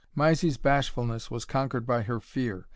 Mysie's bashfulness was conquered by her fear.